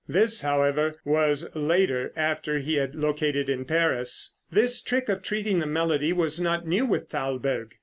This, however, was later, after he had located in Paris. This trick of treating the melody was not new with Thalberg.